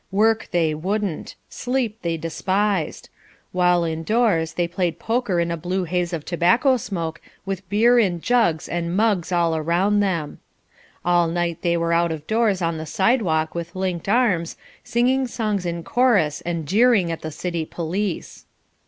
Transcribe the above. Work they wouldn't. Sleep they despised. While indoors they played poker in a blue haze of tobacco smoke with beer in jugs and mugs all round them. All night they were out of doors on the sidewalk with linked arms, singing songs in chorus and jeering at the city police.